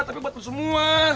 tapi buat lu semua